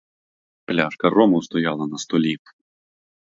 Пляшка рому стояла на столі.